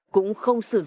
cũng không sẵn sàng